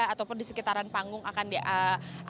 ataupun di sekitaran panggung akan diambil